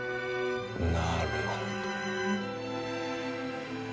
なるほど。